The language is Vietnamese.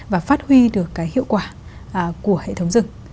và phát huy được cái hiệu quả của hệ thống rừng